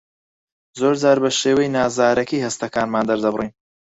زۆرجار بە شێوەی نازارەکی هەستەکانمان دەردەبڕین.